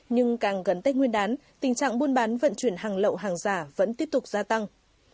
nhưng càng gần tết nguyên đán tình trạng buôn bán vận chuyển hàng lậu hàng giả vẫn tiếp tục gia tăng